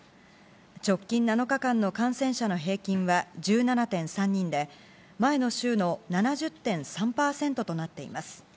直近７日間の感染者の平均は１７．３人で前の週の７０．３％となっています。